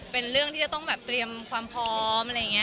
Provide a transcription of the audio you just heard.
เป็นเรื่องที่จะต้องแบบเตรียมความพร้อมอะไรอย่างนี้